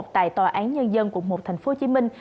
tại tòa án nhân dân quận một thành phố hồ chí minh